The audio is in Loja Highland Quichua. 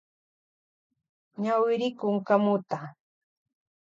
Ñawirikun kamuta.